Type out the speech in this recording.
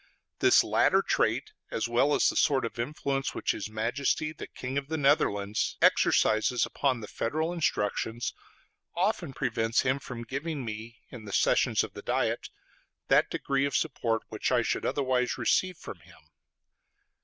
This latter trait, as well as the sort of influence which his Majesty the King of the Netherlands exercises upon the federal instructions, often prevents him from giving me, in the sessions of the Diet, that degree of support which I should otherwise receive from him.